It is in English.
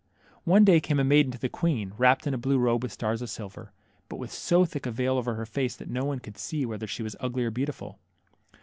One day came a maiden to the queen, wrapt in a blue robe with stars of silver, but with so thick a veil over her face that no one could see whether she was ugly or beautiful.